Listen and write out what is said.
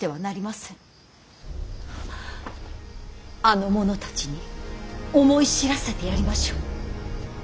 あの者たちに思い知らせてやりましょう。